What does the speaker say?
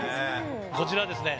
こちらはですね